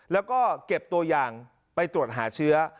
แล้วก็เก็บตัวอย่างไปตรวจหาเชื้อ